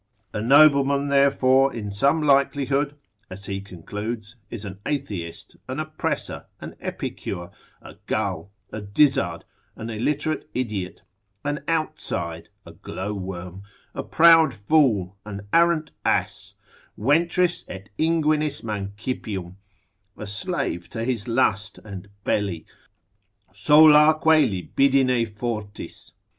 A nobleman therefore in some likelihood, as he concludes, is an atheist, an oppressor, an epicure, a gull, a dizzard, an illiterate idiot, an outside, a glowworm, a proud fool, an arrant ass, Ventris et inguinis mancipium, a slave to his lust and belly, solaque libidine fortis.